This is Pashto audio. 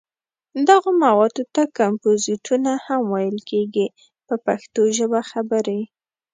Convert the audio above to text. دغو موادو ته کمپوزېټونه هم ویل کېږي په پښتو ژبه خبرې.